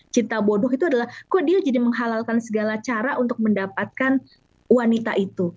cinta bodoh itu adalah kok dia jadi menghalalkan segala cara untuk mendapatkan wanita itu